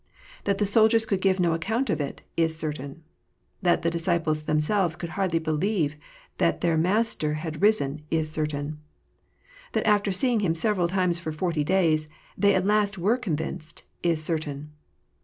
That the soldiers could give no account of it, is certain. That the disciples themselves could hardly believe that their Master had risen, is certain. That after seeing Him several times for forty days, they at last were convinced, is certain.